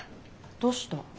どうした？